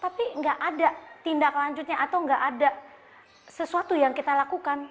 tapi nggak ada tindak lanjutnya atau nggak ada sesuatu yang kita lakukan